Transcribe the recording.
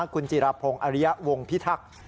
คุณจิรพงศ์อริยะวงพิทักษ์